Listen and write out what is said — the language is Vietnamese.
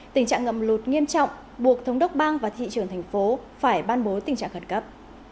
tình trạng ngập lụt nghiêm trọng buộc thống đốc bang và thị trường thành phố phải ban bố tình trạng khẩn cấp